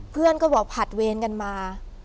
เพื่อนก็บอกผัดเวรกันมา